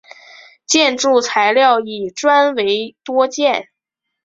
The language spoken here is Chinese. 建筑材料以砖为多见。